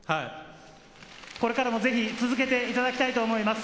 これからもぜひ続けていただきたいと思います。